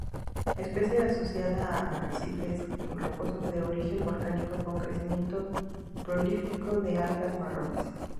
Especie asociada a arrecifes rocosos de origen volcánico, con crecimiento prolífico de algas marrones.